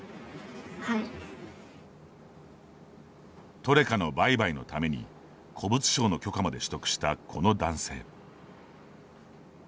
トレカの売買のために古物商の許可まで取得したこの男性。